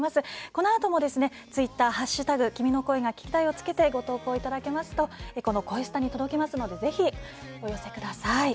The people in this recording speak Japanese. このあともツイッター「＃君の声が聴きたい」をつけてご投稿いただけますとこの「こえスタ」に届きますのでぜひ、お寄せください。